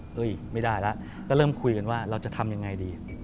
ไม่ได้แล้วก็เริ่มคุยกันว่าเราจะทำยังไงดี